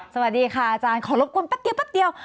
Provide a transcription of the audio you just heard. สวัสดีค่ะอาจารย์ขอรบกลุ่มแป๊บเดียว